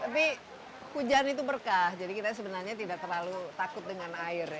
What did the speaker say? tapi hujan itu berkah jadi kita sebenarnya tidak terlalu takut dengan air ya